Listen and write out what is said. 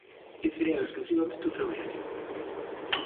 Ese é exclusivamente o seu obxectivo.